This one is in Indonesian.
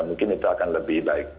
mungkin itu akan lebih baik